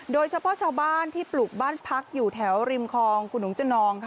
โดยเฉพาะชาวบ้านที่ปลูกบ้านพักอยู่แถวริมคลองขุหนุงจนองค่ะ